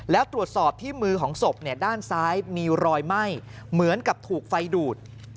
แล้วตรวจสอบที่มือของศพด้านซ้ายมีรอยไหม้เหมือนกับถูกไฟดูด